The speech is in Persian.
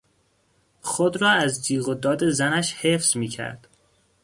خود را از جیغ و داد زنش حفظ میکرد.